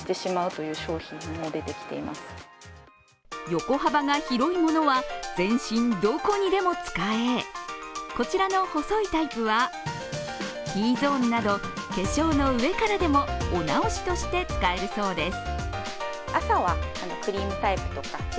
横幅が広いものは、全身どこにでも使え、こちらの細いタイプはＴゾーンなど化粧の上からでもお直しとして使えるそうです。